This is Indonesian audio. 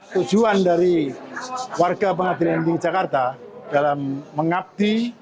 tujuan dari warga pengadilan negeri jakarta dalam mengabdi